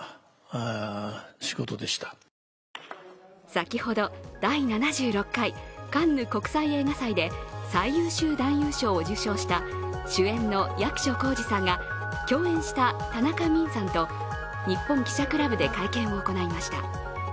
先ほど第７６回カンヌ国際映画祭で最優秀男優賞を受賞した主演の役所広司さんが共演した田中泯さんと日本記者クラブで会見を行いました。